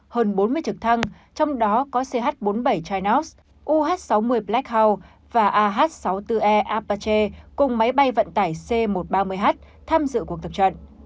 hơn bốn mươi trực thăng trong đó có ch bốn mươi bảy chinas uh sáu mươi black house và ah sáu mươi bốn e apache cùng máy bay vận tải c một trăm ba mươi h tham dự cuộc tập trận